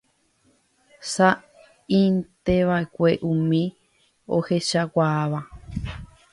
Saʼíntevaʼekue umi ohechakuaáva.